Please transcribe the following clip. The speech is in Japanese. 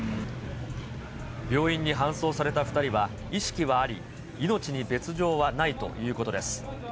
病院に搬送された２人は、意識はあり、命に別状はないということです。